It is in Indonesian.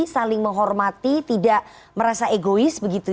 saling menghormati tidak merasa egois begitu